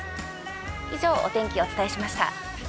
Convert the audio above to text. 以上、お天気、お伝えしました。